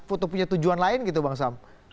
foto punya tujuan lain gitu bang sam